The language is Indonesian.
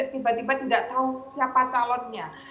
tiba tiba tidak tahu siapa calonnya